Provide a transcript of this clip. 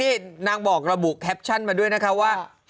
นี่นางบอกระบุแคปชั่นมาด้วยนะคะว่า